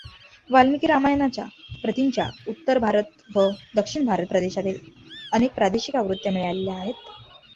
वाल्मीकी रामायणाच्या प्रतींच्या उत्तर भारत व दक्षिण भारत प्रदेशातील अनेक प्रादेशिक आवृत्त्या मिळाल्या आहेत.